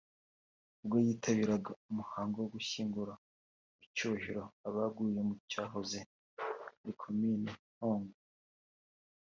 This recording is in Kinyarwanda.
ubwo yitabiraga umuhango wo gushyingura mu cyubahiro abaguye mu cyahoze ari Komine Ntongwe